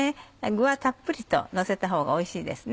具はたっぷりとのせたほうがおいしいですね。